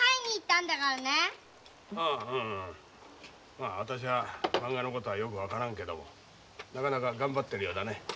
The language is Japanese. まあ私はまんがのことはよく分からんけどもなかなか頑張ってるようだね。